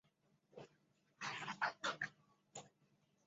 茂名无盾龟是入选国家重点保护古生物化石名录。